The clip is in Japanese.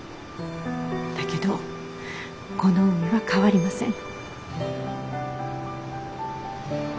だけどこの海は変わりません。